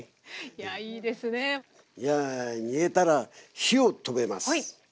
いや煮えたら火を止めます。